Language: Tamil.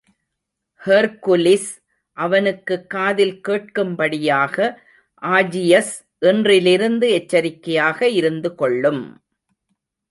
ஹெர்க்குலிஸ் அவனுக்குக் காதில் கேட்கும்படியாக ஆஜியஸ், இன்றிலிருந்து எச்சரிக்கையாக இருந்துகொள்ளும்!